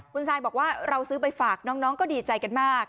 คุณซายบอกว่าเราซื้อไปฝากน้องก็ดีใจกันมาก